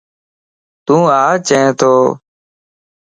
تُوا چين تو؟